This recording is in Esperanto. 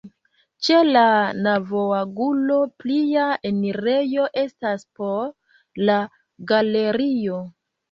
Ĉe la navoangulo plia enirejo estas por la galerio.